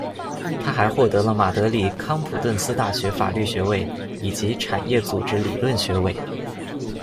他还获得了马德里康普顿斯大学法律学位，以及的产业组织理论学位。